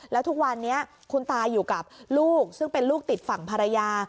แล้วทุกวันนี้คุณตาอยู่กับลูกซึ่งเป็นลูกติดฝั่งภรรยา